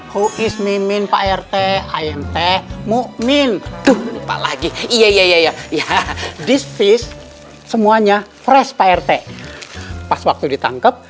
hoi mimin pak rt imt mumin tuh lupa lagi iya iya iya iya di spes semuanya fresh rt pas waktu ditangkep